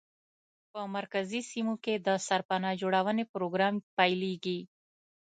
په مرکزي سیمو کې د سرپناه جوړونې پروګرام پیلېږي.